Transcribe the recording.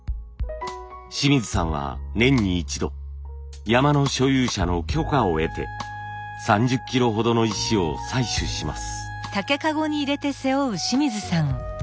清水さんは年に一度山の所有者の許可を得て３０キロほどの石を採取します。